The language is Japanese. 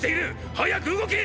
早く動け！